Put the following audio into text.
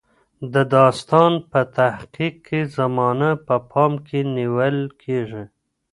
د داستان په تحقیق کې زمانه په پام کې نیول کیږي.